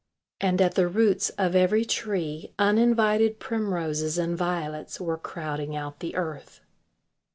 And at the roots of every tree uninvited primroses and violets were crowding out the earth.